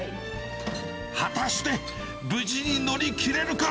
果たして無事に乗り切れるか？